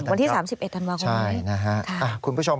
วันที่๓๑ธันวาคมครับ